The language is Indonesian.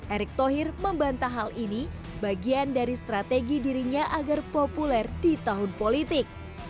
erick thohir membantah hal ini bagian dari strategi dirinya agar populer di tahun politik